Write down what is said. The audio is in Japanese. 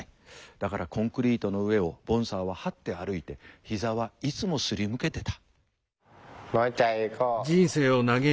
だからコンクリートの上をボンサーははって歩いて膝はいつもすりむけてた。